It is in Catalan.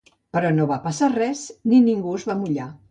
Però no va passar res ni ningú es va mullar